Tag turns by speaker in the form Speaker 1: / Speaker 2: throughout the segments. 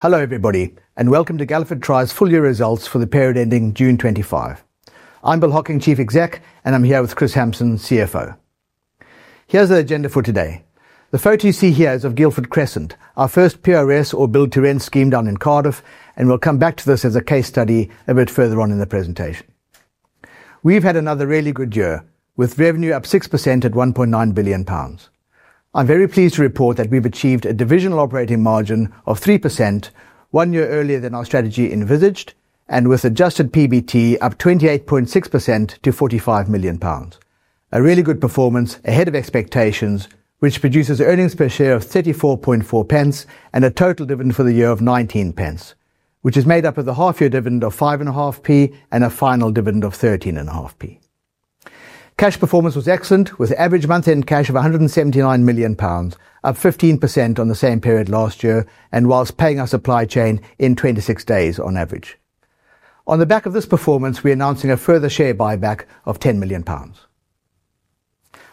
Speaker 1: Hello everybody, and welcome to Galliford Try's Full-Year Results For the Period Ending June 2025. I'm Bill Hocking, Chief Executive, and I'm here with Kris Hampson, Chief Financial Officer. Here's our agenda for today. The photo you see here is of Guildford Crescent, our first PRS or build-to-rent scheme down in Cardiff, and we'll come back to this as a case study a bit further on in the presentation. We've had another really good year, with revenue up 6% at 1.9 billion pounds. I'm very pleased to report that we've achieved a divisional operating margin of 3%, one year earlier than our strategy envisaged, and with adjusted PBT up 28.6% to 45 million pounds. A really good performance, ahead of expectations, which produces earnings per share of 34.4 and a total dividend for the year of 19, which is made up of the half-year dividend of 5.50 and a final dividend of 13.50. Cash performance was excellent, with an average month-end cash of 179 million pounds, up 15% on the same period last year, and whilst paying our supply chain in 26 days on average. On the back of this performance, we're announcing a further share buyback of 10 million pounds.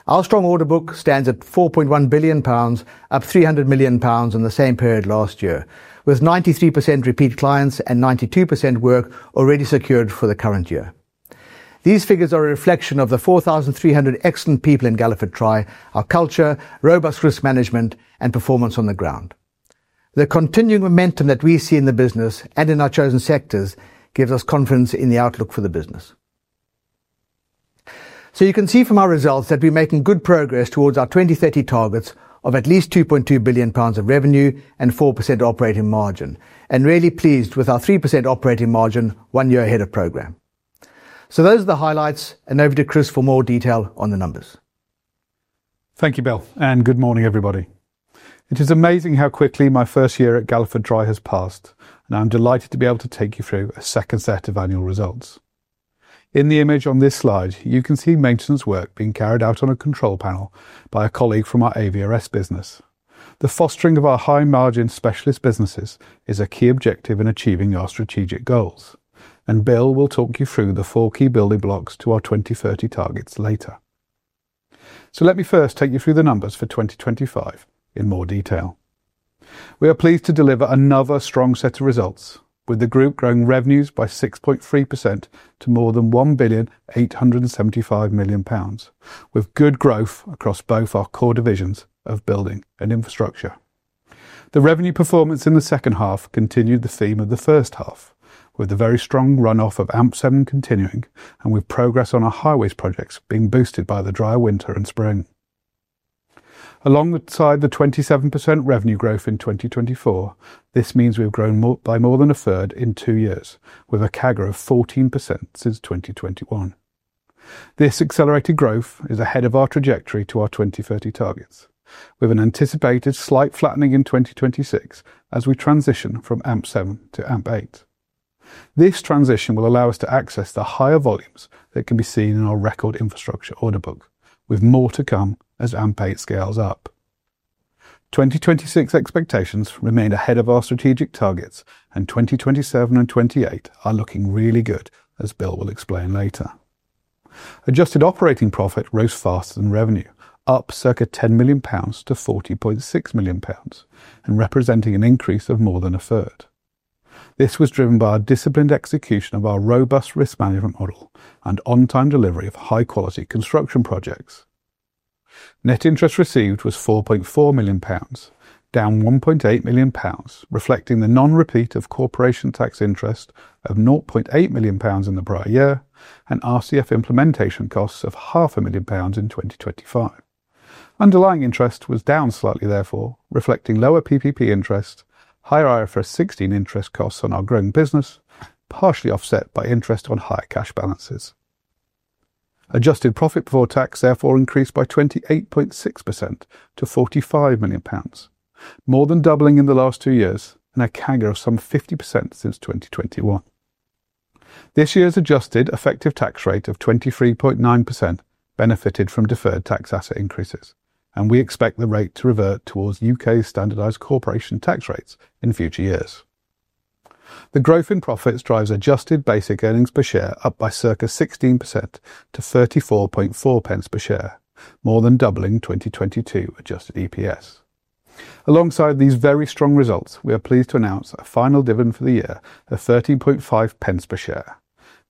Speaker 1: Our strong order book stands at 4.1 billion pounds, up 300 million pounds on the same period last year, with 93% repeat clients and 92% work already secured for the current year. These figures are a reflection of the 4,300 excellent people in Galliford Try, our culture, robust risk management, and performance on the ground. The continuing momentum that we see in the business and in our chosen sectors gives us confidence in the outlook for the business. You can see from our results that we're making good progress towards our 2030 targets of at least 2.2 billion pounds of revenue and 4% operating margin, and really pleased with our 3% operating margin one year ahead of programme. Those are the highlights, and over to Kris for more detail on the numbers.
Speaker 2: Thank you, Bill, and good morning everybody. It is amazing how quickly my first year at Galliford Try has passed, and I'm delighted to be able to take you through a second set of annual results. In the image on this slide, you can see maintenance work being carried out on a control panel by a colleague from our AVRS business. The fostering of our high-margin specialist businesses is a key objective in achieving our strategic goals, and Bill will talk you through the four key building blocks to our 2030 targets later. Let me first take you through the numbers for 2025 in more detail. We are pleased to deliver another strong set of results, with the group growing revenues by 6.3% to more than 1.875 billion, with good growth across both our core divisions of building and infrastructure. The revenue performance in the second half continued the theme of the first half, with a very strong run-off of AMP7 continuing, and with progress on our highways projects being boosted by the dry winter and spring. Alongside the 27% revenue growth in 2024, this means we've grown by more than a third in two years, with a CAGR of 14% since 2021. This accelerated growth is ahead of our trajectory to our 2030 targets, with an anticipated slight flattening in 2026 as we transition from AMP7 to AMP8. This transition will allow us to access the higher volumes that can be seen in our record infrastructure order book, with more to come as AMP8 scales up. 2026 expectations remain ahead of our strategic targets, and 2027 and 2028 are looking really good, as Bill will explain later. Adjusted operating profit rose fast in revenue, up circa 10 million pounds to 40.6 million pounds, and representing an increase of more than a third. This was driven by our disciplined execution of our robust risk management model and on-time delivery of high-quality construction projects. Net interest received was 4.4 million pounds, down 1.8 million pounds, reflecting the non-repeat of corporation tax interest of 0.8 million pounds in the prior year, and RCF implementation costs of 0.5 million pounds in 2025. Underlying interest was down slightly, therefore, reflecting lower PPP interest, higher IFRS 16 interest costs on our growing business, partially offset by interest on higher cash balances. Adjusted profit before tax, therefore, increased by 28.6% to 45 million pounds, more than doubling in the last two years, and a CAGR of some 50% since 2021. This year's adjusted effective tax rate of 23.9% benefited from deferred tax asset increases, and we expect the rate to revert towards U.K. standardized corporation tax rates in future years. The growth in profits drives adjusted basic earnings per share up by circa 16% to 0.344 per share, more than doubling 2022 adjusted EPS. Alongside these very strong results, we are pleased to announce a final dividend for the year of 0.135 per share,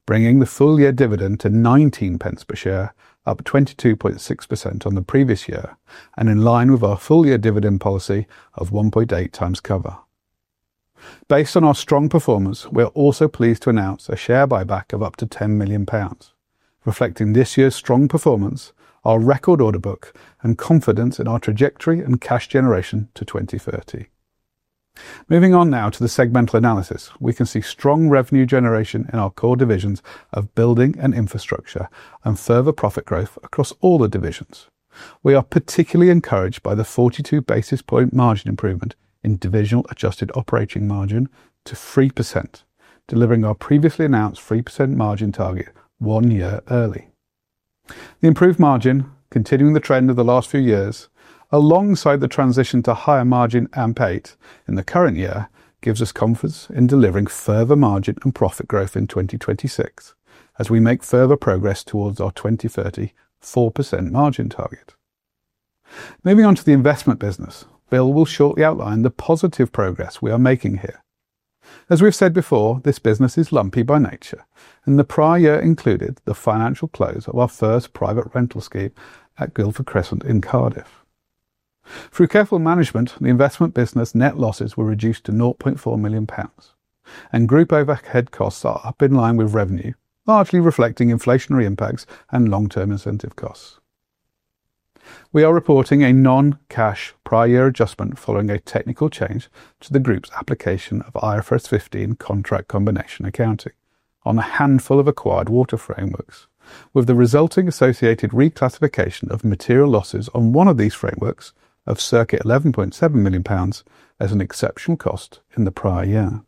Speaker 2: bringing the full-year dividend to 0.19 per share, up 22.6% on the previous year, and in line with our full-year dividend policy of 1.8 times cover. Based on our strong performance, we're also pleased to announce a share buyback of up to 10 million pounds, reflecting this year's strong performance, our record order book, and confidence in our trajectory and cash generation to 2030. Moving on now to the segmental analysis, we can see strong revenue generation in our core divisions of building and infrastructure, and further profit growth across all the divisions. We are particularly encouraged by the 42 basis point margin improvement in divisional adjusted operating margin to 3%, delivering our previously announced 3% margin target one year early. The improved margin, continuing the trend of the last few years, alongside the transition to higher margin AMP8 in the current year, gives us confidence in delivering further margin and profit growth in 2026, as we make further progress towards our 2030 4% margin target. Moving on to the investment business, Bill will shortly outline the positive progress we are making here. As we've said before, this business is lumpy by nature, and the prior year included the financial close of our first private rented sector scheme at Guildford Crescent in Cardiff. Through careful management, the investment business net losses were reduced to 0.4 million pounds, and Group OVAC head costs are up in line with revenue, largely reflecting inflationary impacts and long-term incentive costs. We are reporting a non-cash prior year adjustment following a technical change to the group's application of IFRS 15 contract combination accounting on a handful of acquired water frameworks, with the resulting associated reclassification of material losses on one of these frameworks of circa 11.7 million pounds as an exception cost in the prior year.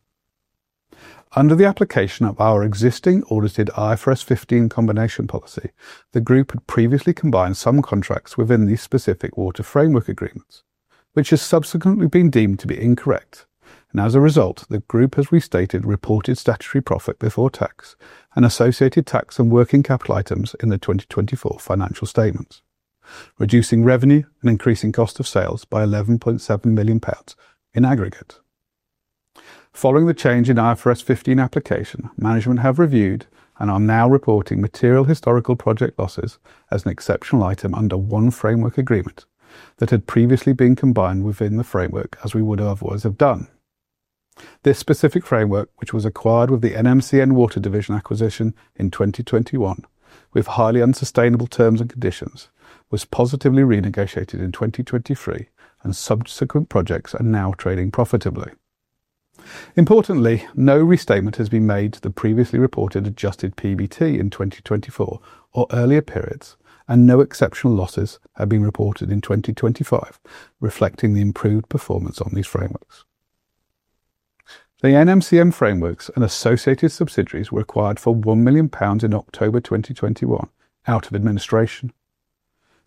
Speaker 2: Under the application of our existing audited IFRS 15 combination policy, the group had previously combined some contracts within these specific water framework agreements, which has subsequently been deemed to be incorrect, and as a result, the group, as we stated, reported statutory profit before tax and associated tax on working capital items in the 2024 financial statements, reducing revenue and increasing cost of sales by GBP 11.7 million in aggregate. Following the change in IFRS 15 application, management have reviewed and are now reporting material historical project losses as an exceptional item under one framework agreement that had previously been combined within the framework as we would otherwise have done. This specific framework, which was acquired with the NMCN Water Division acquisition in 2021, with highly unsustainable terms and conditions, was positively renegotiated in 2023, and subsequent projects are now trading profitably. Importantly, no restatement has been made to the previously reported adjusted PBT in 2024 or earlier periods, and no exceptional losses have been reported in 2025, reflecting the improved performance on these frameworks. The NMCN frameworks and associated subsidiaries were acquired for 1 million pounds in October 2021 out of administration.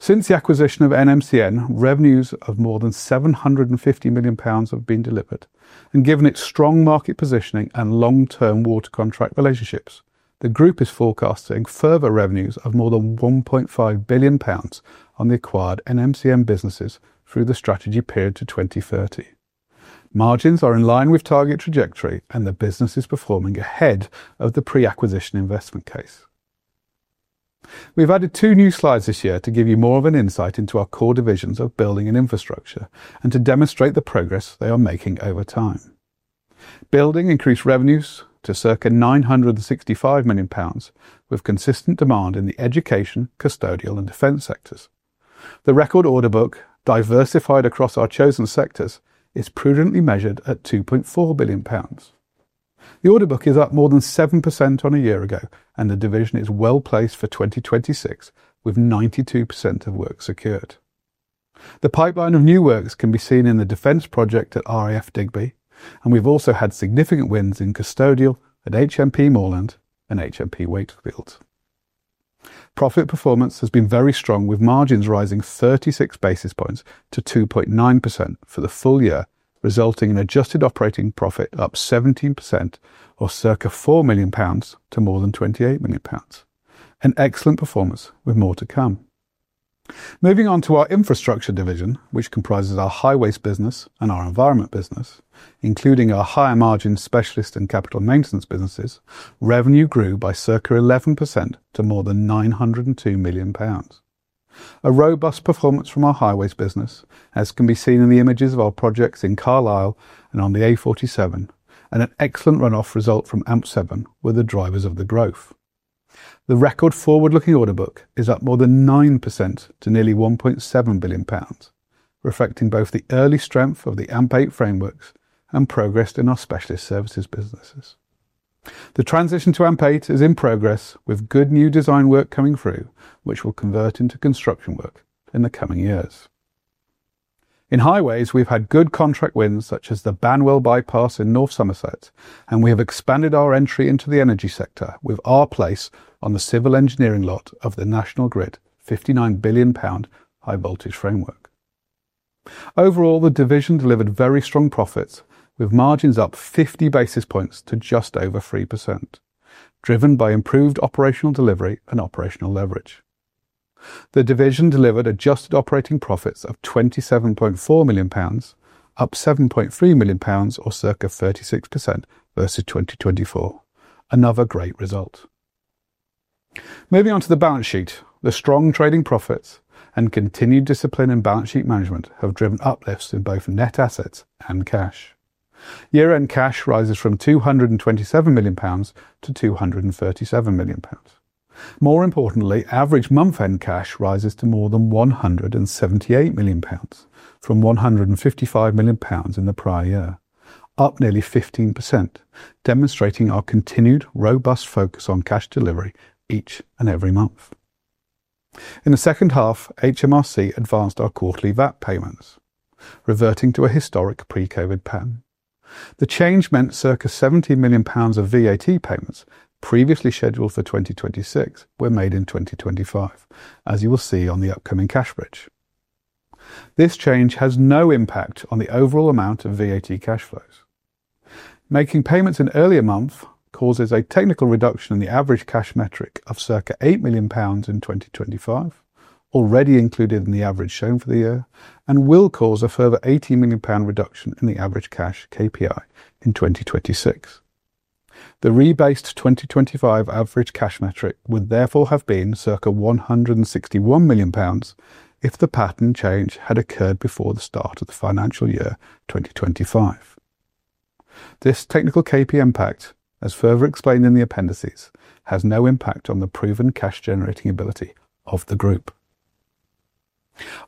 Speaker 2: Since the acquisition of NMCN, revenues of more than 750 million pounds have been delivered, and given its strong market positioning and long-term water contract relationships, the group is forecasting further revenues of more than 1.5 billion pounds on the acquired NMCN businesses through the strategy period to 2030. Margins are in line with target trajectory, and the business is performing ahead of the pre-acquisition investment case. We've added two new slides this year to give you more of an insight into our core divisions of building and infrastructure, and to demonstrate the progress they are making over time. Building increased revenues to circa 965 million pounds, with consistent demand in the education, custodial, and defense sectors. The record order book, diversified across our chosen sectors, is prudently measured at 2.4 billion pounds. The order book is up more than 7% on a year ago, and the division is well placed for 2026, with 92% of work secured. The pipeline of new works can be seen in the defense project at RAF Digby, and we've also had significant wins in custodial at HMP Moreland and HMP Wakefield. Profit performance has been very strong, with margins rising 36 basis points to 2.9% for the full year, resulting in adjusted operating profit up 17%, or circa 4 million pounds to more than 28 million pounds. An excellent performance with more to come. Moving on to our infrastructure division, which comprises our highways business and our environment business, including our higher margin specialist and capital maintenance businesses, revenue grew by circa 11% to more than 902 million pounds. A robust performance from our highways business, as can be seen in the images of our projects in Carlisle and on the A47, and an excellent run-off result from AMP7, were the drivers of the growth. The record forward-looking order book is up more than 9% to nearly 1.7 billion pounds, reflecting both the early strength of the AMP8 frameworks and progress in our specialist services businesses. The transition to AMP8 is in progress, with good new design work coming through, which will convert into construction work in the coming years. In highways, we've had good contract wins such as the Banwell Bypass in North Somerset, and we have expanded our entry into the energy sector with our place on the civil engineering lot of the National Grid 59 billion pound high-voltage framework. Overall, the division delivered very strong profits, with margins up 50 basis points to just over 3%, driven by improved operational delivery and operational leverage. The division delivered adjusted operating profits of 27.4 million pounds, up 7.3 million pounds, or circa 36% versus 2024, another great result. Moving on to the balance sheet, the strong trading profits and continued discipline in balance sheet management have driven uplifts in both net assets and cash. Year-end cash rises from 227 million pounds to 237 million pounds. More importantly, average month-end cash rises to more than 178 million pounds, from 155 million pounds in the prior year, up nearly 15%, demonstrating our continued robust focus on cash delivery each and every month. In the second half, HMRC advanced our quarterly VAT payments, reverting to a historic pre-COVID pattern. The change meant circa 17 million pounds of VAT payments previously scheduled for 2026 were made in 2025, as you will see on the upcoming cash ridge. This change has no impact on the overall amount of VAT cash flows. Making payments in earlier months causes a technical reduction in the average cash metric of circa 8 million pounds in 2025, already included in the average shown for the year, and will cause a further 18 million pound reduction in the average cash KPI in 2026. The rebased 2025 average cash metric would therefore have been circa 161 million pounds if the pattern change had occurred before the start of the financial year 2025. This technical KPI impact, as further explained in the appendices, has no impact on the proven cash-generating ability of the group.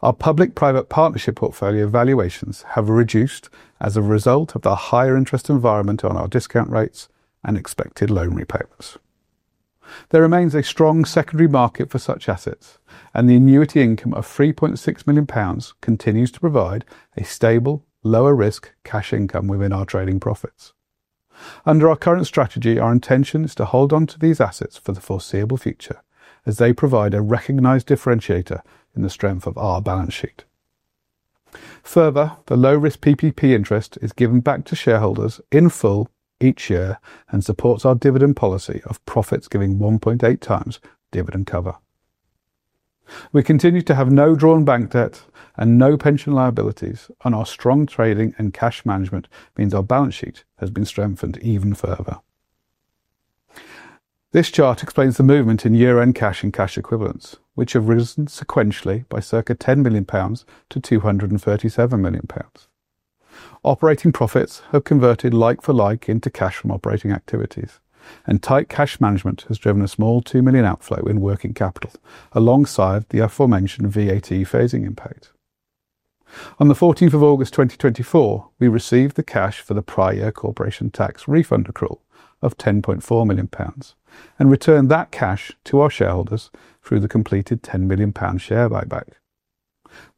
Speaker 2: Our public-private partnership portfolio valuations have reduced as a result of the higher interest environment on our discount rates and expected loan repayments. There remains a strong secondary market for such assets, and the annuity income of 3.6 million pounds continues to provide a stable, lower-risk cash income within our trading profits. Under our current strategy, our intention is to hold onto these assets for the foreseeable future, as they provide a recognized differentiator in the strength of our balance sheet. Further, the low-risk PPP interest is given back to shareholders in full each year and supports our dividend policy of profits giving 1.8 times dividend cover. We continue to have no drawn bank debt and no pension liabilities, and our strong trading and cash management means our balance sheet has been strengthened even further. This chart explains the movement in year-end cash and cash equivalents, which have risen sequentially by circa 10 million pounds to 237 million pounds. Operating profits have converted like-for-like into cash from operating activities, and tight cash management has driven a small 2 million outflow in working capital, alongside the aforementioned VAT phasing impact. On 14 August 2024, we received the cash for the prior year corporation tax refund accrual of 10.4 million pounds and returned that cash to our shareholders through the completed 10 million pound share buyback.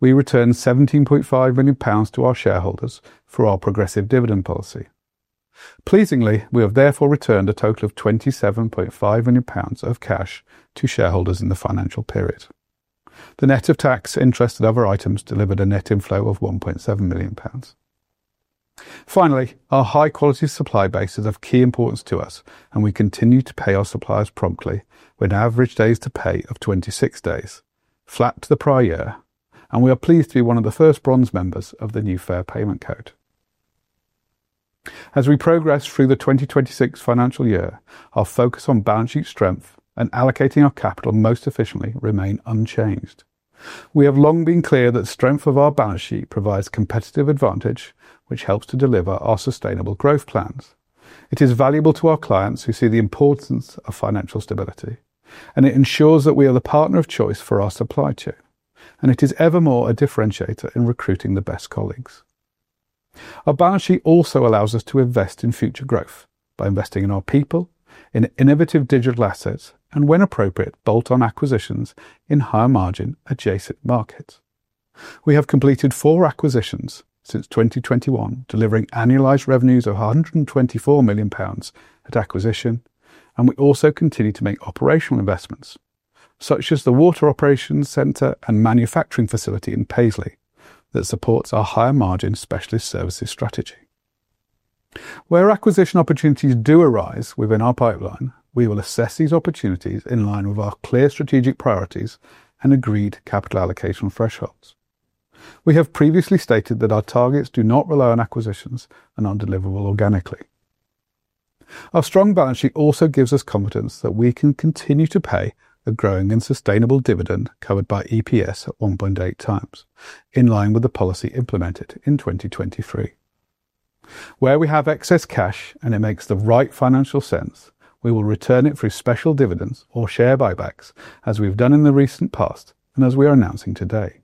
Speaker 2: We returned 17.5 million pounds to our shareholders through our progressive dividend policy. Pleasingly, we have therefore returned a total of 27.5 million pounds of cash to shareholders in the financial period. The net of tax interest and other items delivered a net inflow of 1.7 million pounds. Finally, our high-quality supply base is of key importance to us, and we continue to pay our suppliers promptly, with an average days to pay of 26 days, flat to the prior year, and we are pleased to be one of the first bronze members of the new fair payment code. As we progress through the 2026 financial year, our focus on balance sheet strength and allocating our capital most efficiently remain unchanged. We have long been clear that the strength of our balance sheet provides a competitive advantage, which helps to deliver our sustainable growth plans. It is valuable to our clients who see the importance of financial stability, and it ensures that we are the partner of choice for our supply chain, and it is evermore a differentiator in recruiting the best colleagues. Our balance sheet also allows us to invest in future growth by investing in our people, in innovative digital assets, and when appropriate, bolt-on acquisitions in higher margin adjacent markets. We have completed four acquisitions since 2021, delivering annualized revenues of 124 million pounds at acquisition, and we also continue to make operational investments, such as the water operations center and manufacturing facility in Paisley, that supports our higher margin specialist services strategy. Where acquisition opportunities do arise within our pipeline, we will assess these opportunities in line with our clear strategic priorities and agreed capital allocation thresholds. We have previously stated that our targets do not rely on acquisitions and are deliverable organically. Our strong balance sheet also gives us confidence that we can continue to pay a growing and sustainable dividend covered by EPS at 1.8 times, in line with the policy implemented in 2023. Where we have excess cash and it makes the right financial sense, we will return it through special dividends or share buybacks, as we've done in the recent past and as we are announcing today.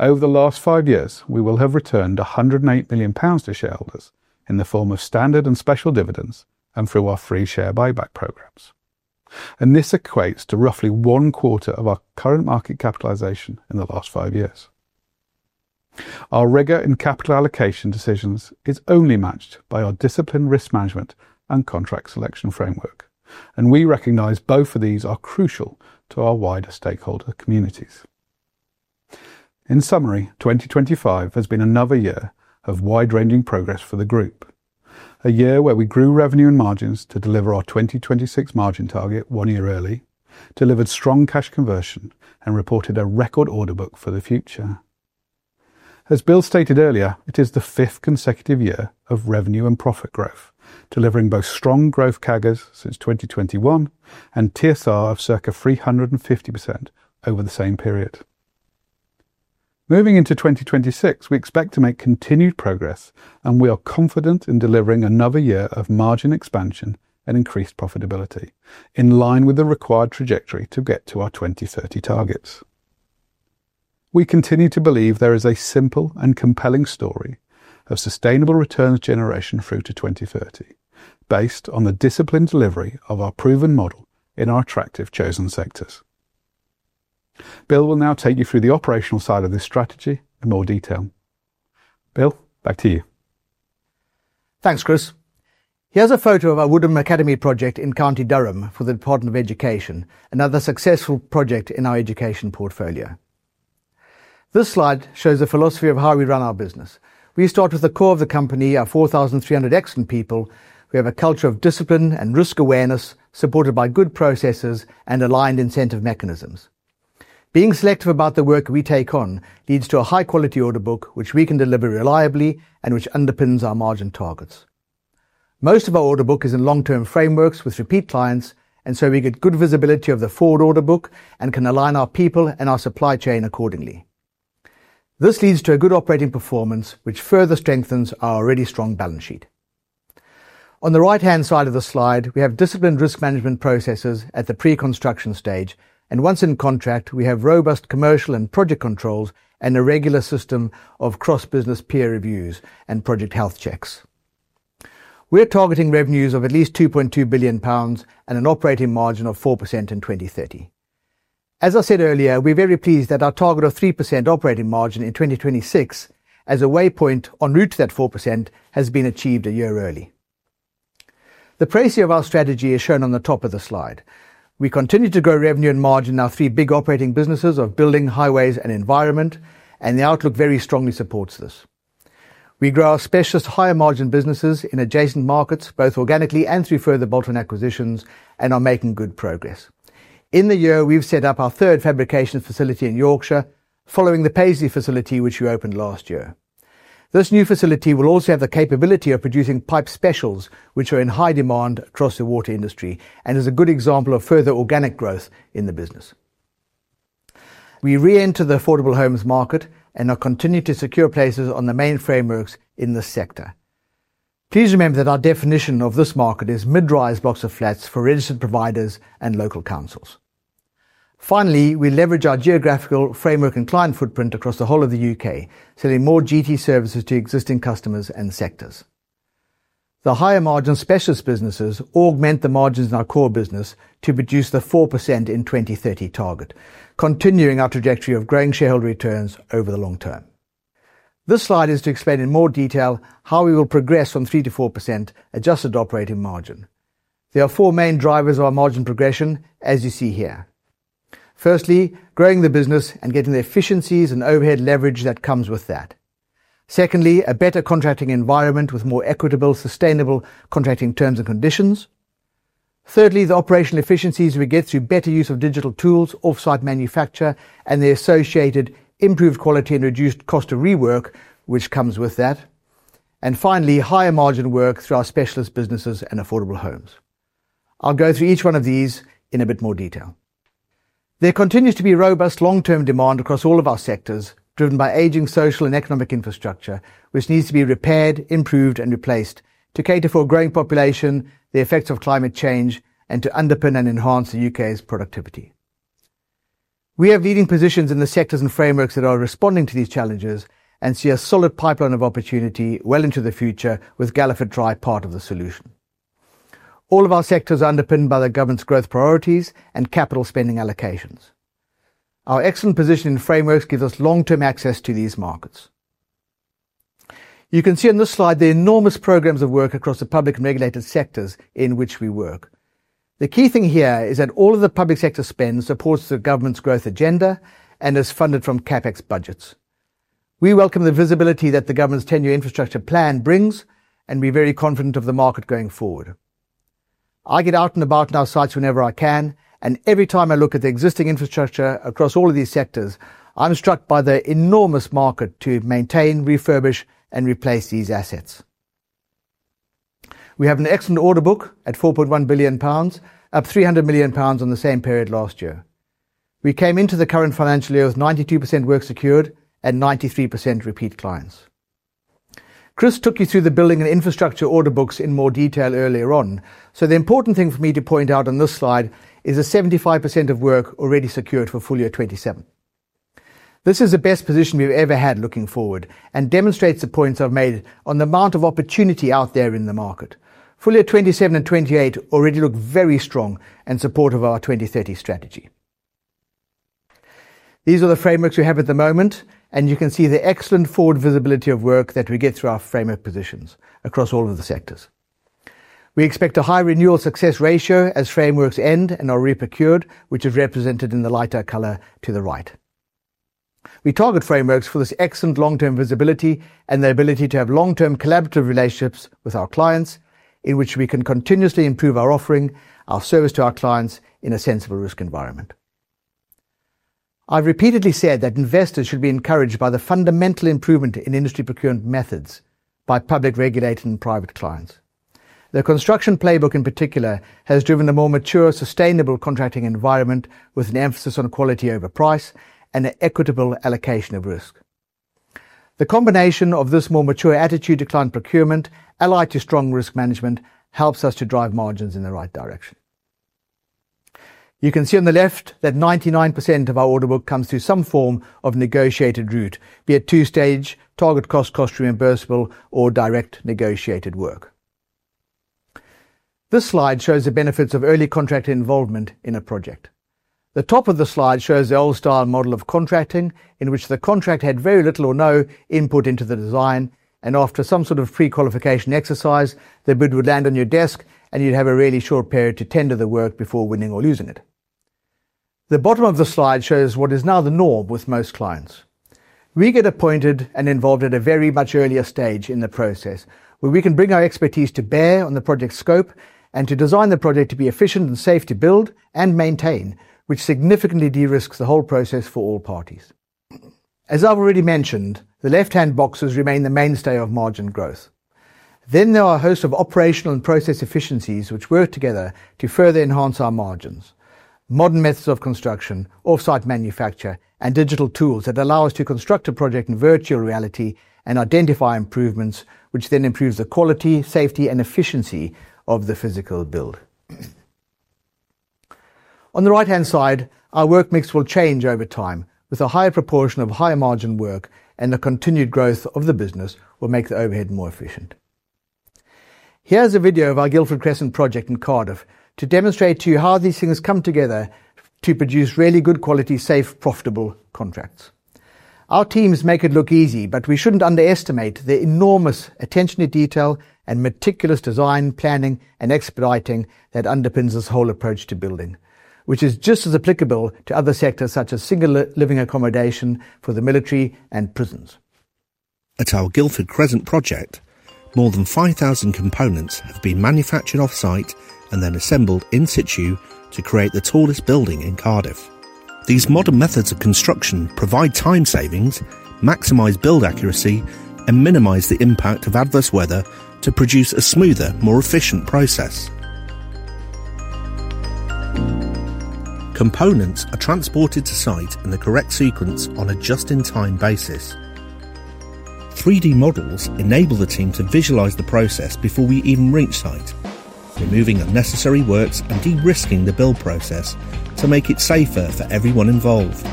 Speaker 2: Over the last five years, we will have returned 108 million pounds to shareholders in the form of standard and special dividends and through our free share buyback programs, and this equates to roughly one quarter of our current market capitalization in the last five years. Our rigor in capital allocation decisions is only matched by our disciplined risk management and contract selection framework, and we recognize both of these are crucial to our wider stakeholder communities. In summary, 2025 has been another year of wide-ranging progress for the group, a year where we grew revenue and margins to deliver our 2026 margin target one year early, delivered strong cash conversion, and reported a record order book for the future. As Bill stated earlier, it is the fifth consecutive year of revenue and profit growth, delivering both strong growth CAGRs since 2021 and TSR of circa 350% over the same period. Moving into 2026, we expect to make continued progress, and we are confident in delivering another year of margin expansion and increased profitability, in line with the required trajectory to get to our 2030 targets. We continue to believe there is a simple and compelling story of sustainable returns generation through to 2030, based on the disciplined delivery of our proven model in our attractive chosen sectors. Bill will now take you through the operational side of this strategy in more detail. Bill, back to you.
Speaker 1: Thanks, Kris. Here's a photo of our Woodham Academy project in County Durham for the Department for Education, another successful project in our education portfolio. This slide shows the philosophy of how we run our business. We start with the core of the company, our 4,300 excellent people. We have a culture of discipline and risk awareness, supported by good processes and aligned incentive mechanisms. Being selective about the work we take on leads to a high-quality order book, which we can deliver reliably and which underpins our margin targets. Most of our order book is in long-term frameworks with repeat clients, and we get good visibility of the forward order book and can align our people and our supply chain accordingly. This leads to a good operating performance, which further strengthens our already strong balance sheet. On the right-hand side of the slide, we have disciplined risk management processes at the pre-construction stage, and once in contract, we have robust commercial and project controls and a regular system of cross-business peer reviews and project health checks. We're targeting revenues of at least 2.2 billion pounds and an operating margin of 4% in 2030. As I said earlier, we're very pleased that our target of 3% operating margin in 2026, as a waypoint en route to that 4%, has been achieved a year early. The precis of our strategy is shown on the top of the slide. We continue to grow revenue and margin in our three big operating businesses of building, highways, and environment, and the outlook very strongly supports this. We grow our specialist higher margin businesses in adjacent markets, both organically and through further bolt-on acquisitions, and are making good progress. In the year, we've set up our third fabrication facility in Yorkshire, following the Paisley facility which we opened last year. This new facility will also have the capability of producing pipe specials, which are in high demand across the water industry and is a good example of further organic growth in the business. We re-enter the affordable housing market and are continuing to secure places on the main frameworks in this sector. Please remember that our definition of this market is mid-rise blocks of flats for registered providers and local councils. Finally, we leverage our geographical framework and client footprint across the whole of the U.K., selling more GT services to existing customers and sectors. The higher margin specialist businesses augment the margins in our core business to produce the 4% in 2030 target, continuing our trajectory of growing shareholder returns over the long term. This slide is to explain in more detail how we will progress on 3%-4% adjusted operating margin. There are four main drivers of our margin progression, as you see here. Firstly, growing the business and getting the efficiencies and overhead leverage that comes with that. Secondly, a better contracting environment with more equitable, sustainable contracting terms and conditions. Thirdly, the operational efficiencies we get through better use of digital tools, offsite manufacturing, and the associated improved quality and reduced cost of rework which comes with that. Finally, higher margin work through our specialist businesses and affordable housing. I'll go through each one of these in a bit more detail. There continues to be robust long-term demand across all of our sectors, driven by aging social and economic infrastructure, which needs to be repaired, improved, and replaced to cater for a growing population, the effects of climate change, and to underpin and enhance the U.K.'s productivity. We have leading positions in the sectors and frameworks that are responding to these challenges and see a solid pipeline of opportunity well into the future with Galliford Try part of the solution. All of our sectors are underpinned by the government's growth priorities and capital spending allocations. Our excellent position in frameworks gives us long-term access to these markets. You can see on this slide the enormous programs of work across the public and regulated sectors in which we work. The key thing here is that all of the public sector spend supports the government's growth agenda and is funded from CapEx budgets. We welcome the visibility that the government's 10-year infrastructure plan brings, and we're very confident of the market going forward. I get out and about in our sites whenever I can, and every time I look at the existing infrastructure across all of these sectors, I'm struck by the enormous market to maintain, refurbish, and replace these assets. We have an excellent order book at 4.1 billion pounds, up 300 million pounds on the same period last year. We came into the current financial year with 92% work secured and 93% repeat clients. Kris took you through the building and infrastructure order books in more detail earlier on, so the important thing for me to point out on this slide is the 75% of work already secured for full year 2027. This is the best position we've ever had looking forward and demonstrates the points I've made on the amount of opportunity out there in the market. Full year 2027 and 2028 already look very strong and supportive of our 2030 strategy. These are the frameworks we have at the moment, and you can see the excellent forward visibility of work that we get through our framework positions across all of the sectors. We expect a high renewal success ratio as frameworks end and are reprocured, which is represented in the lighter color to the right. We target frameworks for this excellent long-term visibility and the ability to have long-term collaborative relationships with our clients, in which we can continuously improve our offering, our service to our clients in a sensible risk environment. I've repeatedly said that investors should be encouraged by the fundamental improvement in industry procurement methods by public, regulating, and private clients. The construction playbook in particular has driven a more mature, sustainable contracting environment with an emphasis on quality over price and an equitable allocation of risk. The combination of this more mature attitude to client procurement, allied to strong risk management, helps us to drive margins in the right direction. You can see on the left that 99% of our order book comes through some form of negotiated route, be it two-stage, target cost, cost reimbursable, or direct negotiated work. This slide shows the benefits of early contract involvement in a project. The top of the slide shows the old-style model of contracting, in which the contract had very little or no input into the design, and after some sort of pre-qualification exercise, the bid would land on your desk and you'd have a really short period to tender the work before winning or losing it. The bottom of the slide shows what is now the norm with most clients. We get appointed and involved at a very much earlier stage in the process, where we can bring our expertise to bear on the project's scope and to design the project to be efficient and safe to build and maintain, which significantly de-risks the whole process for all parties. As I've already mentioned, the left-hand boxes remain the mainstay of margin growth. There are a host of operational and process efficiencies which work together to further enhance our margins: modern methods of construction, offsite manufacturing, and digital tools that allow us to construct a project in virtual reality and identify improvements, which then improves the quality, safety, and efficiency of the physical build. On the right-hand side, our work mix will change over time, with a higher proportion of high margin work, and the continued growth of the business will make the overhead more efficient. Here's a video of our Guildford Crescent PRS scheme in Cardiff to demonstrate to you how these things come together to produce really good quality, safe, profitable contracts. Our teams make it look easy, but we shouldn't underestimate the enormous attention to detail and meticulous design, planning, and expediting that underpins this whole approach to building, which is just as applicable to other sectors such as single living accommodation for the military and prisons. At our Guildford Crescent PRS scheme, more than 5,000 components have been manufactured offsite and then assembled in situ to create the tallest building in Cardiff. These modern methods of construction provide time savings, maximize build accuracy, and minimize the impact of adverse weather to produce a smoother, more efficient process. Components are transported to site in the correct sequence on a just-in-time basis. 3D models enable the team to visualize the process before we even reach site, removing unnecessary works and de-risking the build process to make it safer for everyone involved.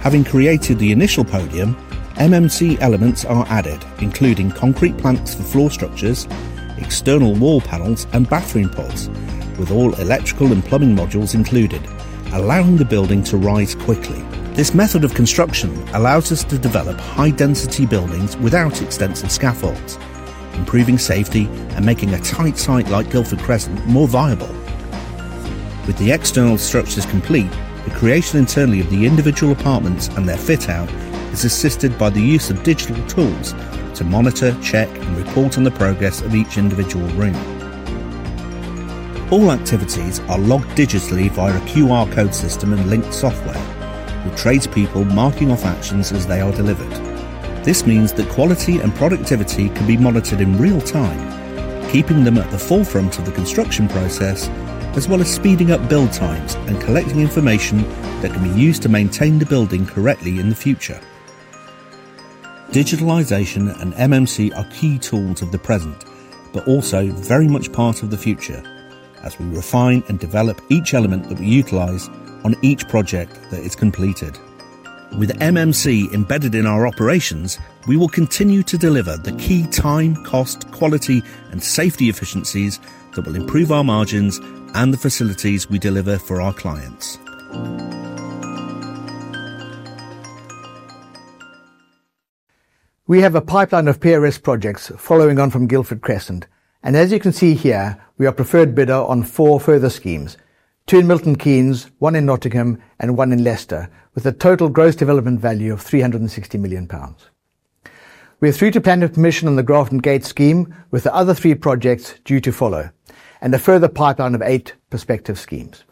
Speaker 1: Having created the initial podium, MMC elements are added, including concrete planks for floor structures, external wall panels, and bathroom pods, with all electrical and plumbing modules included, allowing the building to rise quickly. This method of construction allows us to develop high-density buildings without extensive scaffolds, improving safety and making a tight site like Guildford Crescent more viable. With the external structures complete, the creation internally of the individual apartments and their fit-out is assisted by the use of digital tools to monitor, check, and report on the progress of each individual room. All activities are logged digitally via a QR code system and linked software, with tradespeople marking off actions as they are delivered. This means that quality and productivity can be monitored in real time, keeping them at the forefront of the construction process, as well as speeding up build times and collecting information that can be used to maintain the building correctly in the future. Digitalization and MMC are key tools of the present, but also very much part of the future, as we refine and develop each element that we utilize on each project that is completed. With MMC embedded in our operations, we will continue to deliver the key time, cost, quality, and safety efficiencies that will improve our margins and the facilities we deliver for our clients. We have a pipeline of PRS projects following on from Guildford Crescent, and as you can see here, we are a preferred bidder on four further schemes: two in Milton Keynes, one in Nottingham, and one in Leicester, with a total gross development value of 360 million pounds. We are through to planning commission on the Grafton Gate scheme, with the other three projects due to follow, and a further pipeline of eight prospective schemes.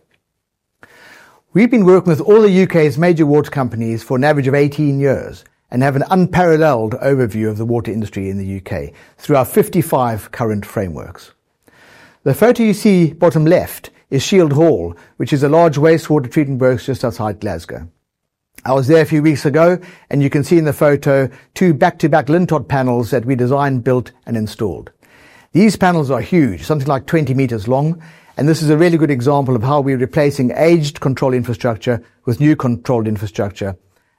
Speaker 1: We've been working with all the U.K.'s major water companies for an average of 18 years and have an unparalleled overview of the water industry in the U.K. through our 55 current frameworks. The photo you see bottom left is Shield Hall, which is a large wastewater treatment works just outside Glasgow. I was there a few weeks ago, and you can see in the photo two back-to-back LinTod panels that we designed, built, and installed. These panels are huge, something like 20 meters long, and this is a really good example of how we're replacing aged controlled infrastructure with new controlled infrastructure,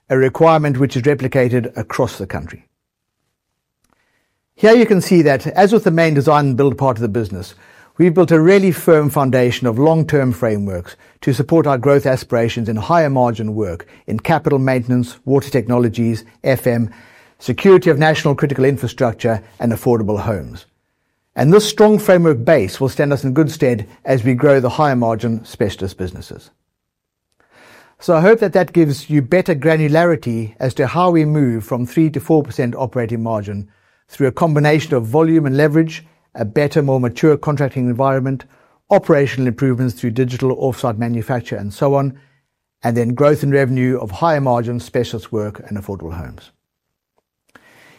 Speaker 1: a requirement which is replicated across the country. Here you can see that, as with the main design and build part of the business, we've built a really firm foundation of long-term frameworks to support our growth aspirations in higher margin work in capital maintenance, water technologies, FM, security of national critical infrastructure, and affordable homes. This strong framework base will stand us in good stead as we grow the higher margin specialist businesses. I hope that gives you better granularity as to how we move from 3% to 4% operating margin through a combination of volume and leverage, a better, more mature contracting environment, operational improvements through digital offsite manufacture, and so on, and then growth in revenue of higher margin specialist work and affordable homes.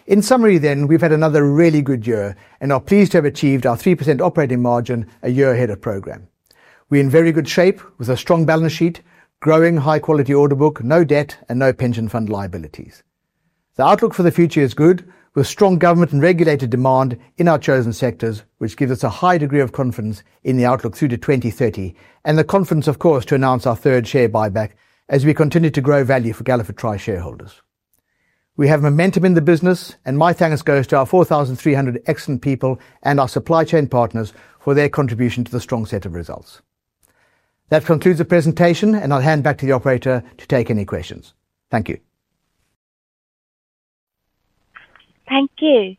Speaker 1: In summary, then, we've had another really good year and are pleased to have achieved our 3% operating margin a year ahead of program. We're in very good shape with a strong balance sheet, growing high-quality order book, no debt, and no pension fund liabilities. The outlook for the future is good, with strong government and regulated demand in our chosen sectors, which gives us a high degree of confidence in the outlook through to 2030, and the confidence, of course, to announce our third share buyback as we continue to grow value for Galliford Try shareholders. We have momentum in the business, and my thanks goes to our 4,300 excellent people and our supply chain partners for their contribution to the strong set of results. That concludes the presentation, and I'll hand back to the operator to take any questions. Thank you.
Speaker 3: Thank you.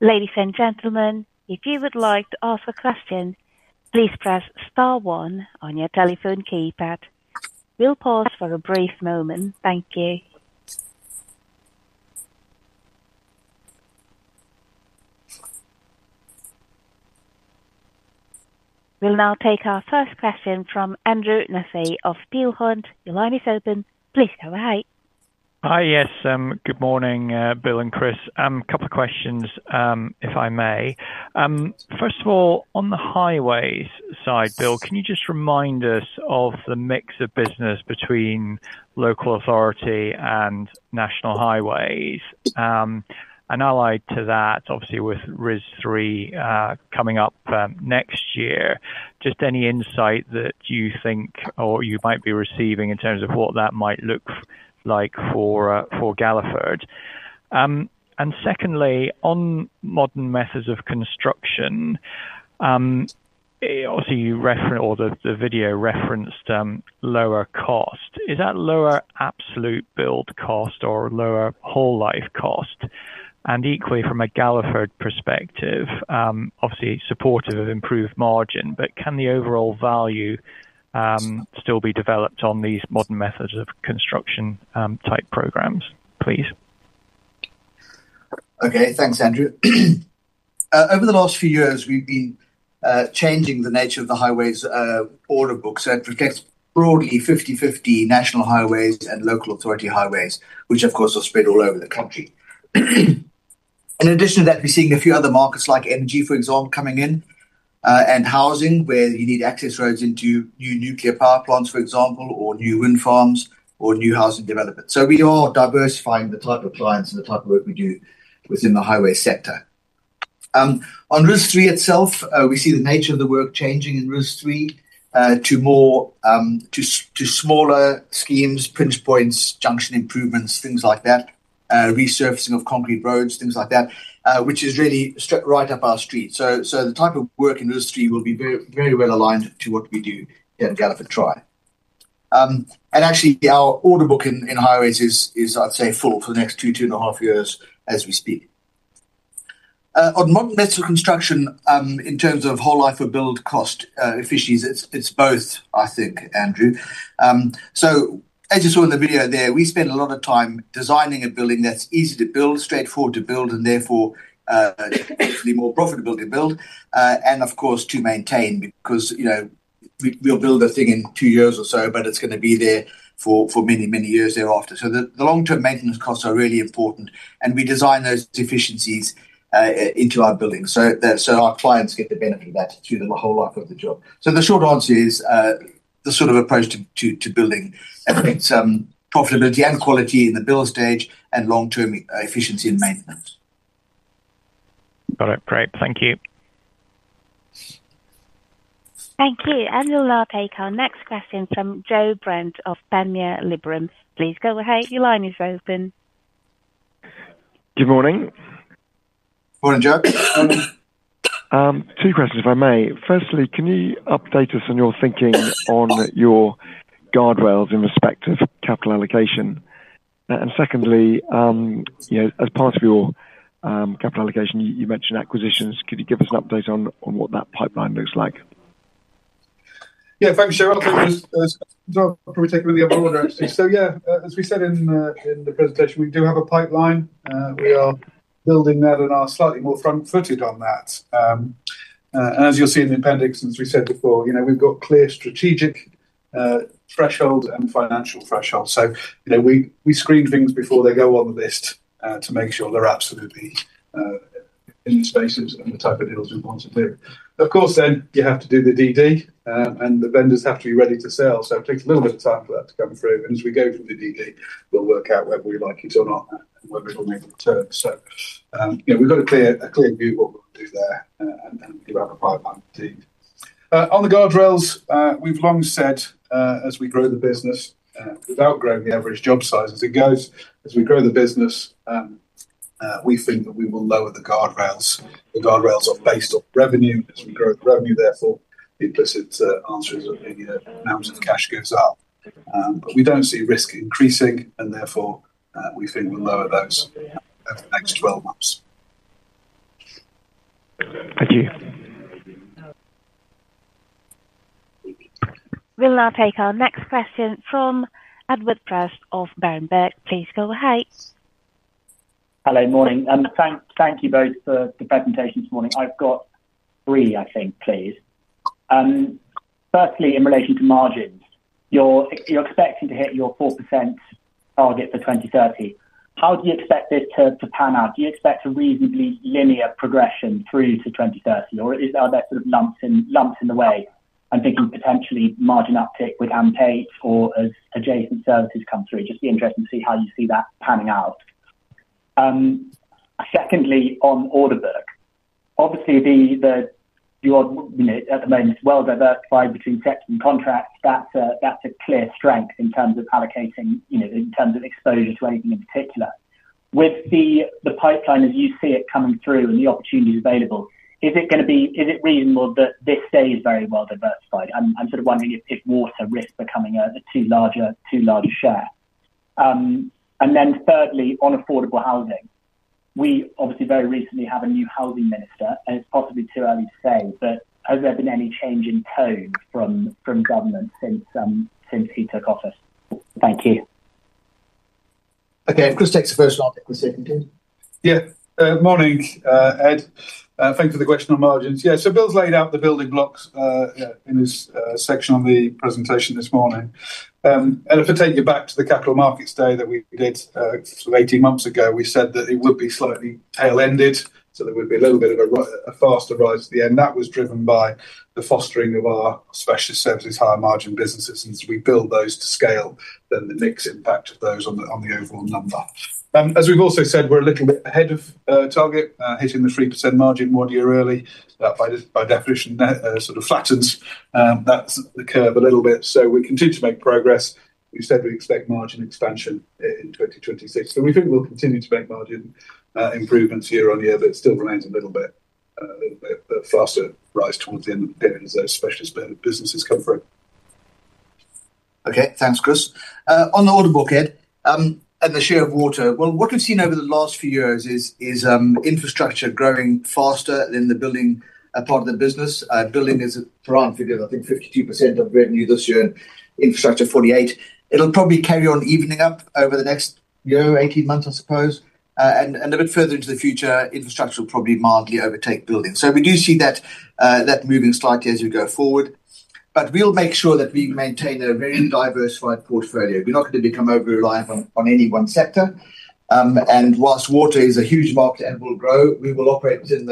Speaker 3: Ladies and gentlemen, if you would like to ask a question, please press star one on your telephone keypad. We'll pause for a brief moment. Thank you. We'll now take our first question from Andrew Nussey of Peel Hunt. Your line is open. Please go ahead.
Speaker 4: Hi, yes, good morning, Bill and Kris. A couple of questions, if I may. First of all, on the highways side, Bill, can you just remind us of the mix of business between local authority and national highways? Allied to that, obviously with RIS3 coming up next year, just any insight that you think or you might be receiving in terms of what that might look like for Galliford Try Holdings plc. Secondly, on modern methods of construction, obviously you referenced or the video referenced lower cost. Is that lower absolute build cost or lower whole life cost? Equally, from a Galliford Try perspective, obviously supportive of improved margin, but can the overall value still be developed on these modern methods of construction type programs? Please.
Speaker 1: Okay, thanks, Andrew. Over the last few years, we've been changing the nature of the highways order book that protects broadly 50/50 national highways and local authority highways, which of course are spread all over the country. In addition to that, we're seeing a few other markets like energy, for example, coming in and housing, where you need access roads into new nuclear power plants, for example, or new wind farms or new housing developments. We are diversifying the type of clients and the type of work we do within the highway sector. On RIS3 itself, we see the nature of the work changing in RIS3 to smaller schemes, pinch points, junction improvements, things like that, resurfacing of concrete roads, things like that, which is really straight right up our street. The type of work in RIS3 will be very well aligned to what we do here in Galliford Try. Actually, our order book in highways is, I'd say, full for the next two, two and a half years as we speak. On modern methods of construction, in terms of whole life or build cost efficiencies, it's both, I think, Andrew. As you saw in the video there, we spend a lot of time designing a building that's easy to build, straightforward to build, and therefore be more profitable to build, and of course to maintain, because you know we'll build a thing in two years or so, but it's going to be there for many, many years thereafter. The long-term maintenance costs are really important, and we design those efficiencies into our buildings so our clients get the benefit of that through the whole life of the job. The short answer is the sort of approach to building that makes profitability and quality in the build stage and long-term efficiency in maintenance.
Speaker 4: Got it. Great, thank you.
Speaker 3: Thank you. We'll now take our next question from Joe Brandt of Panmure Liberum. Please go ahead, your line is open.
Speaker 5: Good morning.
Speaker 1: Morning, Joe.
Speaker 5: Two questions, if I may. Firstly, can you update us on your thinking on your guardrails in respect of capital allocation? Secondly, as part of your capital allocation, you mentioned acquisitions. Could you give us an update on what that pipeline looks like?
Speaker 1: Yeah, thanks, Joe. I'll probably take a really overall order, actually. As we said in the presentation, we do have a pipeline. We are building that and are slightly more front-footed on that. As you'll see in the appendix, as we said before, we've got clear strategic threshold and financial thresholds. We screen things before they go on the list to make sure they're absolutely in the spaces and the type of deals we want to do. Of course, you have to do the DD, and the vendors have to be ready to sell. It takes a little bit of time for that to come through. As we go through the DD, we'll work out whether we like it or not, whether we want to return. We've got a clear overview of our pipeline indeed. On the guardrails, we've long said as we grow the business, without growing the average job size, as it goes, as we grow the business, we think that we will lower the guardrails. The guardrails are based on revenue, and revenue therefore implicit answers are the amount of cash goes up. We don't see risk increasing, and therefore we think we'll lower those next 12 months.
Speaker 5: Thank you, yeah.
Speaker 3: We'll now take our next question from Edward Prest of Berenberg. Please go ahead.
Speaker 6: Hello, morning. Thank you both for the presentation this morning. I've got three, I think, please. Firstly, in relation to margins, you're expecting to hit your 4% target for 2030. How do you expect this curve to pan out? Do you expect a reasonably linear progression through to 2030, or are there sort of lumps in the way? I'm thinking potentially margin uptick with AMP8 or as adjacent services come through. Just be interested to see how you see that panning out. Secondly, on order books, obviously you're at the moment well diversified between sector and contract. That's a clear strength in terms of allocating, in terms of exposure to anything in particular. With the pipeline, as you see it coming through and the opportunities available, is it going to be, is it reasonable that this stays very well diversified? I'm sort of wondering if water risks becoming a too large share. Thirdly, on affordable housing, we obviously very recently have a new housing minister, and it's possibly too early to say, but has there been any change in tone from government since he took office? Thank you.
Speaker 1: Okay, and Kris takes the first one, if we're safe and clear.
Speaker 2: Yeah, morning, Ed. Thanks for the question on margins. Bill's laid out the building blocks in this section on the presentation this morning. If I take you back to the capital markets day that we did sort of 18 months ago, we said that it would be slightly tail-ended, so there would be a little bit of a faster rise at the end. That was driven by the fostering of our special services, high margin businesses, and as we build those to scale, then the mixed impact of those on the overall number. As we've also said, we're a little bit ahead of target, hitting the 3% margin one year early. That by definition sort of flattens the curve a little bit, so we continue to make progress. We said we'd expect margin expansion in 2026, so we think we'll continue to make margin improvements year on year, but it still remains a little bit of a faster rise towards the end, especially as businesses come through.
Speaker 1: Okay, thanks, Kris. On the order book, Ed, and the share of water, what we've seen over the last few years is infrastructure growing faster in the building part of the business. Building is a parameter for you, I think 52% of revenue this year, infrastructure 48%. It'll probably carry on evening up over the next year, 18 months, I suppose, and a bit further into the future, infrastructure will probably mildly overtake building. We do see that moving slightly as we go forward, but we'll make sure that we maintain a very diversified portfolio. We're not going to become overly reliant on any one sector, and whilst water is a huge market and will grow, we will operate within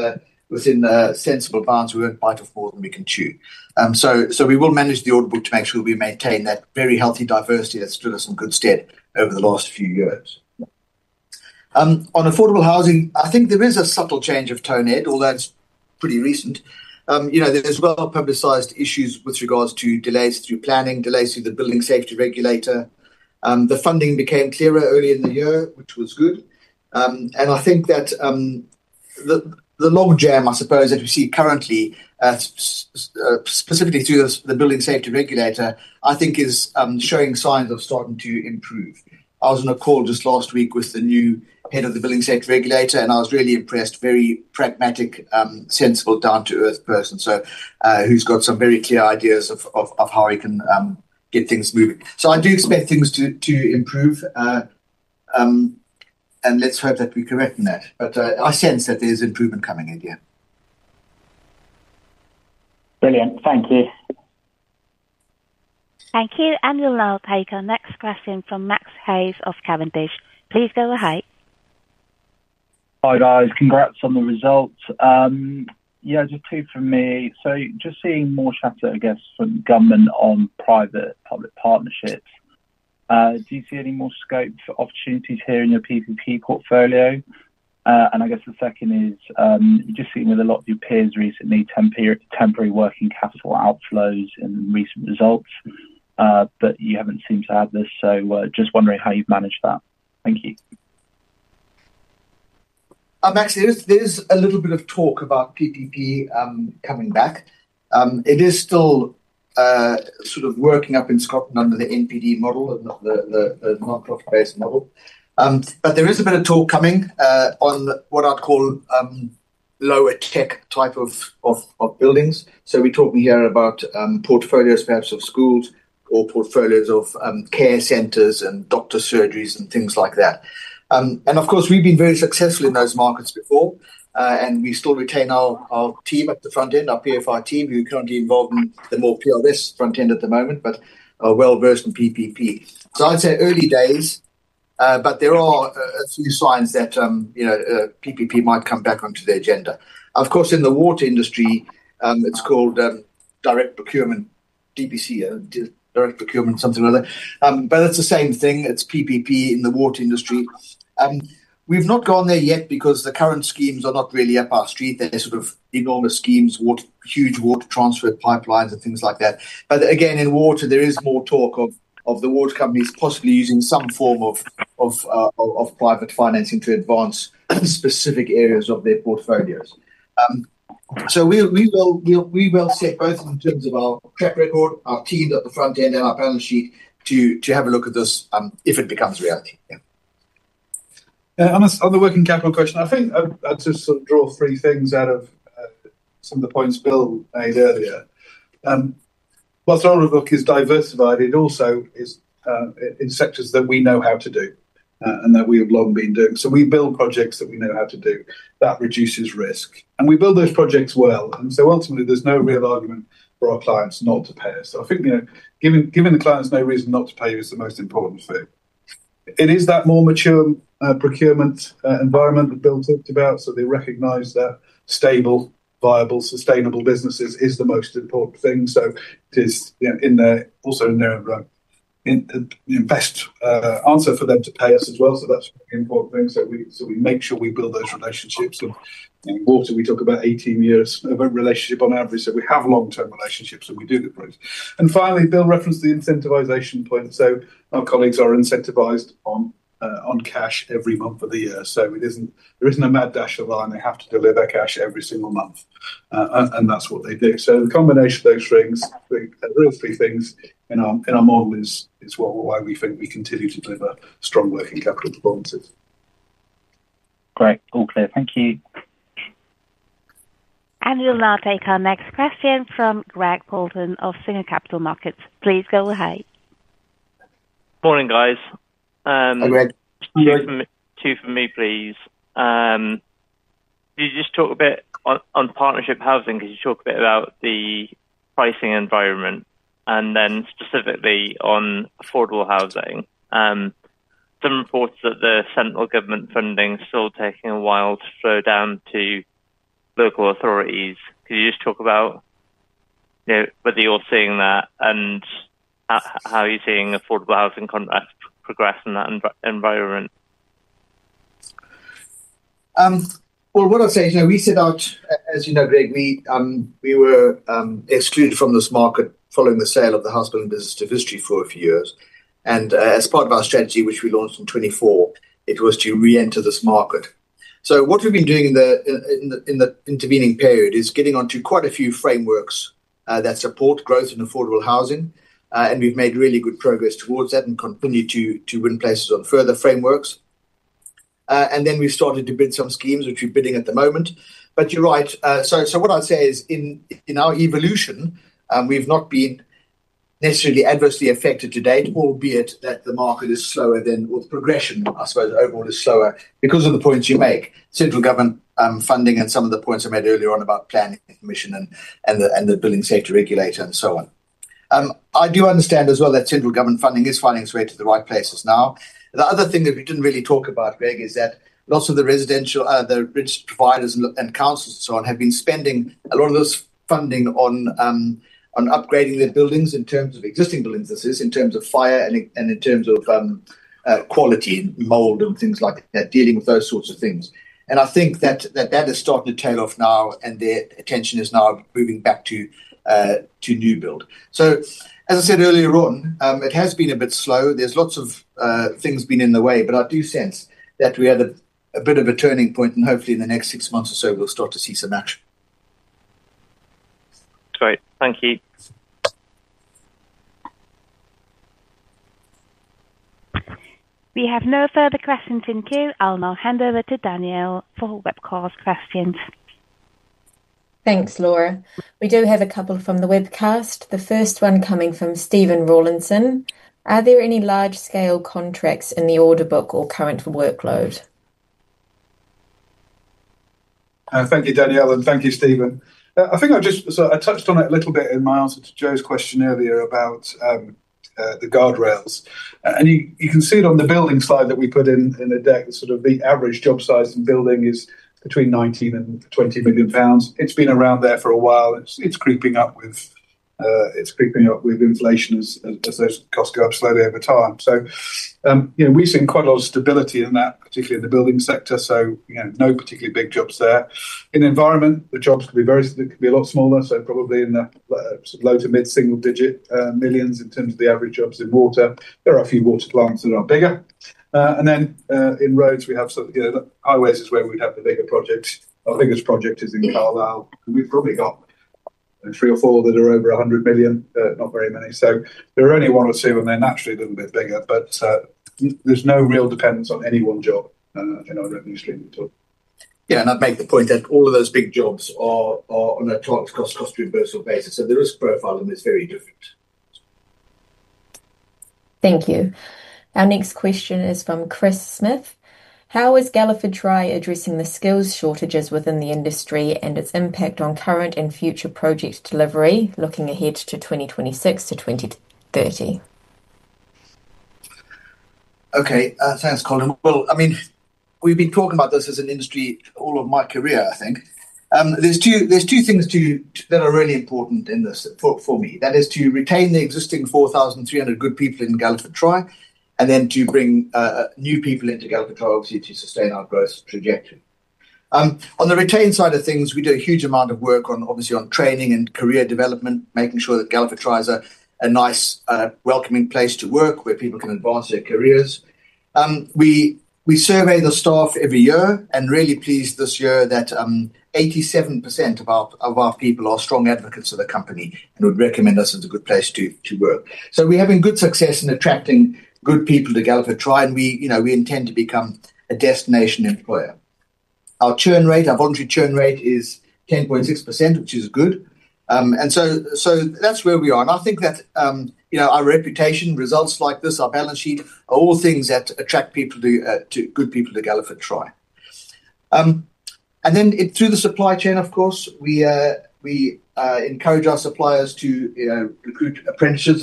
Speaker 1: the sensible bounds. We won't bite off more than we can chew. We will manage the order book to make sure we maintain that very healthy diversity that stood us in good stead over the last few years. On affordable housing, I think there is a subtle change of tone, Ed, although it's pretty recent. There are well-publicized issues with regards to delays through planning, delays through the building safety regulator. The funding became clearer early in the year, which was good, and I think that the logjam, I suppose, that we see currently, specifically through the building safety regulator, is showing signs of starting to improve. I was on a call just last week with the new head of the building safety regulator, and I was really impressed, very pragmatic, sensible, down-to-earth person who's got some very clear ideas of how he can get things moving. I do expect things to improve, and let's hope that we're correct in that, but I sense that there's improvement coming in, yeah.
Speaker 6: Brilliant, thank you.
Speaker 3: Thank you, and we'll now take our next question from Max Hayes of Cavendish. Please go ahead.
Speaker 7: Hi guys, congrats on the results. Just two from me. Just seeing more chapters, I guess, from government on public-private partnerships. Do you see any more scope for opportunities here in your PPP portfolio? The second is, you've just seen with a lot of your peers recently, temporary working capital outflows in recent results, but you haven't seemed to add this, just wondering how you've managed that. Thank you.
Speaker 1: Max, there is a little bit of talk about PPP coming back. It is still sort of working up in Scotland under the NPD model, the non-corporation model, but there is a bit of talk coming on what I'd call lower tech type of buildings. We're talking here about portfolios perhaps of schools or portfolios of care centers and doctor surgeries and things like that. Of course, we've been very successful in those markets before, and we still retain our team at the front end, our PFI team. We're currently involved in the more PLS front end at the moment, but are well versed in PPP. I'd say early days, but there are a few signs that PPP might come back onto the agenda. In the water industry, it's called direct procurement, DPC, direct procurement, something like that, but it's the same thing. It's PPP in the water industry. We've not gone there yet because the current schemes are not really up our street. They're sort of enormous schemes, huge water transfer pipelines and things like that. In water, there is more talk of the water companies possibly using some form of private financing to advance specific areas of their portfolios. We will set both in terms of our track record, our team at the front end, and our balance sheet to have a look at this if it becomes reality.
Speaker 2: On the working capital question, I'd just sort of draw three things out of some of the points Bill made earlier. Whilst our order book is diversified, it also is in sectors that we know how to do and that we have long been doing. We build projects that we know how to do, which reduces risk, and we build those projects well. Ultimately, there's no real argument for our clients not to pay us. Giving the clients no reason not to pay you is the most important thing. It is that more mature procurement environment that Bill talked about. They recognize that stable, viable, sustainable businesses are the most important thing. It is in the also known best answer for them to pay us as well. That's an important thing. We make sure we build those relationships. In water, we talk about 18 years of relationship on average. We have long-term relationships and we do the price. Finally, Bill referenced the incentivization point. Our colleagues are incentivized on cash every month of the year. There isn't a mad dash of line. They have to deliver cash every single month, and that's what they do. The combination of those things, those three things in our model, is why we think we continue to deliver strong working capital performances
Speaker 7: Great, all clear. Thank you.
Speaker 3: We'll now take our next question from Greg Poulton of Singer Capital Markets. Please go ahead.
Speaker 8: Morning guys.
Speaker 1: Hi Greg.
Speaker 8: Two from me, please. Could you just talk a bit on partnership housing? Could you talk a bit about the pricing environment, and then specifically on affordable housing? Some reports that the central government funding is still taking a while to slow down to local authorities. Could you just talk about whether you're seeing that and how you're seeing affordable housing contracts progress in that environment?
Speaker 1: You know, we set out, as you know, Greg, we were excluded from this market following the sale of the Hospital and Business of History for a few years. As part of our strategy, which we launched in 2024, it was to re-enter this market. What we've been doing in the intervening period is getting onto quite a few frameworks that support growth in affordable housing. We've made really good progress towards that and continue to win places on further frameworks. We've started to build some schemes, which we're building at the moment. You're right. In our evolution, we've not been necessarily adversely affected to date, albeit that the market is slower than or the progression, I suppose, overall is slower because of the points you make. Central government funding and some of the points I made earlier on about planning commission and the building safety regulator and so on I do understand as well that central government funding is finding its way to the right places now. The other thing that we didn't really talk about, Greg, is that lots of the residential, the rich providers and councils and so on have been spending a lot of this funding on upgrading their buildings in terms of existing buildings, this is in terms of fire and in terms of quality and mold and things like that, dealing with those sorts of things. I think that that has started to tail off now and their attention is now moving back to new build. As I said earlier on, it has been a bit slow. There's lots of things being in the way, but I do sense that we have a bit of a turning point and hopefully in the next six months or so we'll start to see some action.
Speaker 8: Great, thank you.
Speaker 3: We have no further questions in queue. I'll now hand over to Daniel for webcast questions. Thanks, Laura. We do have a couple from the webcast. The first one coming from Stephen Rawlinson. Are there any large-scale contracts in the order book or current workload?
Speaker 2: Thank you, Daniel, and thank you, Stephen. I think I just sort of touched on it a little bit in my answer to Joe's question earlier about the guardrails. You can see it on the building side that we put in the deck that the average job size in building is between 19 million and 20 million pounds. It's been around there for a while. It's creeping up with inflation as those costs go up slightly over time. We've seen quite a lot of stability in that, particularly in the building sector. There are no particularly big jobs there. In environment, the jobs could be a lot smaller, probably in the low to mid-single digit millions in terms of the average jobs in water. There are a few water plants that are bigger. In roads, we have some highways where we'd have the bigger projects. Our biggest project is in the Parallel. We've probably got three or four that are over 100 million, not very many. There are only one or two and they're naturally a little bit bigger. There's no real dependence on any one job. I think I've written this too.
Speaker 1: Yeah, I'd make the point that all of those big jobs are on a total cost plus reversal basis. The risk profile on this is very different. Thank you. Our next question is from Chris Smith. How is Galliford Try addressing the skills shortages within the industry and its impact on current and future project delivery, looking ahead to 2026 to 2030? Okay, thanks, Colin. I mean, we've been talking about this as an industry all of my career, I think. There are two things that are really important in this for me. That is to retain the existing 4,300 good people in Galliford Try and then to bring new people into Galliford Try obviously to sustain our growth trajectory. On the retain side of things, we do a huge amount of work on training and career development, making sure that Galliford Try is a nice, welcoming place to work where people can advance their careers. We survey the staff every year and are really pleased this year that 87% of our people are strong advocates of the company and would recommend us as a good place to work. We're having good success in attracting good people to Galliford Try and we intend to become a destination employer. Our churn rate, our voluntary churn rate, is 10.6%, which is good. That's where we are. I think that our reputation, results like this, our balance sheet, are all things that attract good people to Galliford Try. Through the supply chain, of course, we encourage our suppliers to recruit apprentices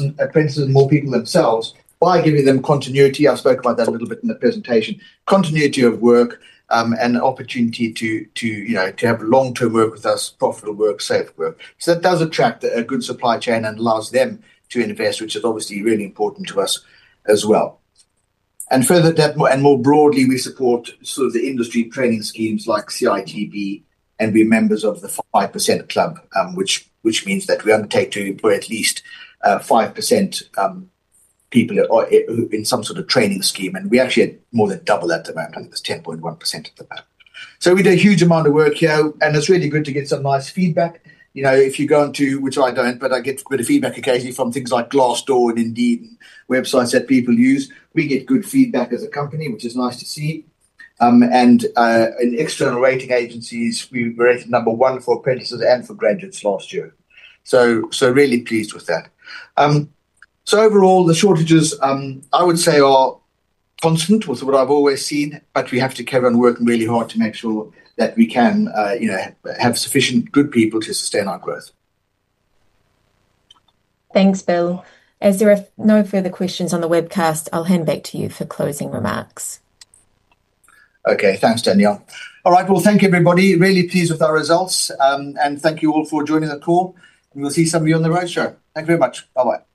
Speaker 1: and more people themselves by giving them continuity. I spoke about that a little bit in the presentation. Continuity of work and opportunity to have long-term work with us, profitable work, safe work. That does attract a good supply chain and allows them to invest, which is obviously really important to us as well. Further to that, and more broadly, we support the industry training schemes like CITB and are members of the 5% Club, which means that we undertake to employ at least 5% people in some sort of training scheme. We actually more than double that at the moment, it's 10.1% at the moment. We do a huge amount of work here and it's really good to get some nice feedback. If you go into, which I don't, but I get a bit of feedback occasionally from things like Glassdoor and Indeed websites that people use, we get good feedback as a company, which is nice to see. In external rating agencies, we were rated number one for apprentices and for graduates last year. Really pleased with that. Overall, the shortages I would say are constant with what I've always seen, but we have to carry on working really hard to make sure that we can have sufficient good people to sustain our growth. Thanks, Bill. As there are no further questions on the webcast, I'll hand back to you for closing remarks. Okay, thanks, Daniel. All right, thank you everybody. Really pleased with our results and thank you all for joining the call. We'll see some of you on the roadshow. Thank you very much. Bye-bye.